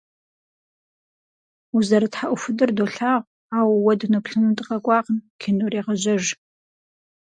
Узэрытхьэӏухудыр долъагъу, ауэ уэ дыноплъыну дыкъэкӏуакъым, кинор егъэжьэж.